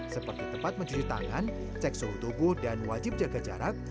seperti tempat mencuci tangan cek suhu tubuh dan wajib jaga jarak